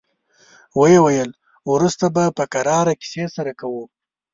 ويې ويل: وروسته به په کراره کيسې سره کوو.